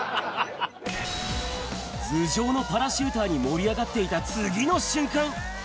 頭上のパラシューターに盛り上がっていた次の瞬間！